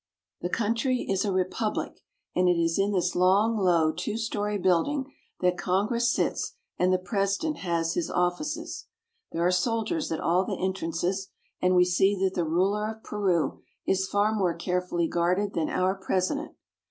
The country is a republic, and it is in this long, low, two story building that Congress sits and the president has his offices. There are soldiers at all the entrances, and we see that the ruler of Peru is far more carefully guarded than our president.